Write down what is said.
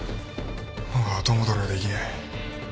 もう後戻りはできねえ。